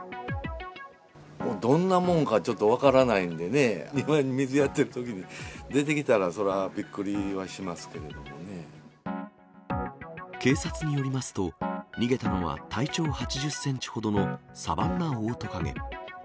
もうどんなもんか、ちょっと分からないんでね、庭に水やってるときに出てきたらそら、びっくりはしますけれども警察によりますと、逃げたのは体長８０センチほどのサバンナオオトカゲ。